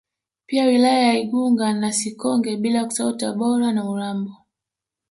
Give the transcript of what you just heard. Pia wilaya za Igunga na Sikonge bila kusahau Tabora na Urambo